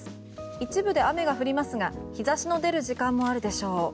一部で雨が降りますが日差しの出る時間もあるでしょう。